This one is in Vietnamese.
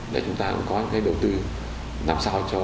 để chúng ta có những đầu tư làm sao hợp tác